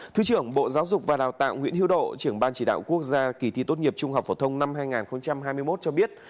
thứ trưởng bộ giáo dục và đào tạo nguyễn hữu độ trưởng ban chỉ đạo quốc gia kỳ thi tốt nghiệp trung học phổ thông năm hai nghìn hai mươi một cho biết